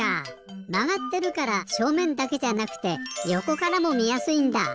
まがってるからしょうめんだけじゃなくてよこからもみやすいんだ！